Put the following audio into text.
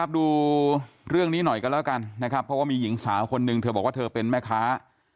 ดูเรื่องนี้หน่อยกันแล้วกันนะครับเพราะว่ามีหญิงสาวคนหนึ่งเธอบอกว่าเธอเป็นแม่ค้า